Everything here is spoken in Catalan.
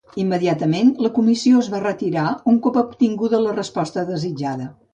Immediatament la comissió es va retirar un cop obtinguda la resposta desitjada.